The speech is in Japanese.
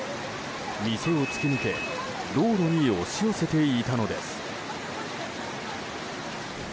店を突き抜け道路に押し寄せていたのです。